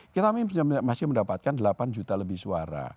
kita masih mendapatkan delapan juta lebih suara